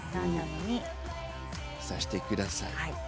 挿してください。